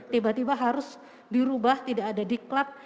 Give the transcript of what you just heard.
tiba tiba harus dirubah tidak ada diklat